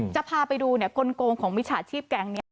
จะพาไปดูกลงของมิจฉาชีพแก๊งนี้